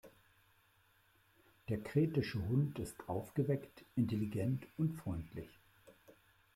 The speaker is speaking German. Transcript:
Der Kretische Hund ist aufgeweckt, intelligent und freundlich.